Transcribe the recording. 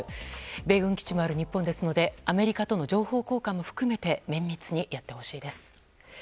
米軍基地もある日本なのでアメリカとの情報交換も含め綿密にやってほしいです。